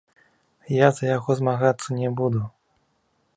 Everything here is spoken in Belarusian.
Я за яго змагацца не буду.